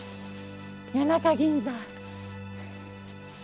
谷中銀座。